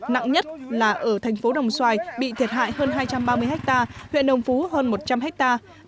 nặng nhất là ở thành phố đồng xoài bị thiệt hại hơn hai trăm ba mươi hectare huyện đồng phú hơn một trăm linh hectare